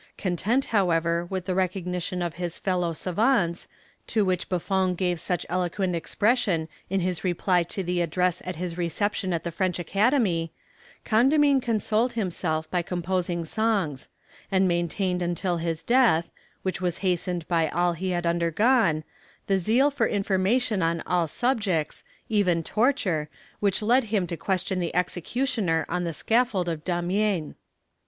Content, however, with the recognition of his fellow savants, to which Buffon gave such eloquent expression in his reply to the address at his reception at the French Academy, Condamine consoled himself by composing songs; and maintained until his death, which was hastened by all he had undergone, the zeal for information on all subjects, even torture, which led him to question the executioner on the scaffold of Damiens."